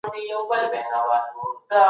که موضوع مخینه ونه لري تحلیل یې ستونزمن دی.